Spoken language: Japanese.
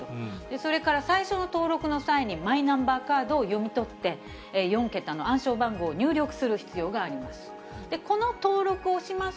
それから最初の登録の際に、マイナンバーカードを読み取って、４桁の暗証番号を入力する必要があります。